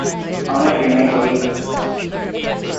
How much do you make a week?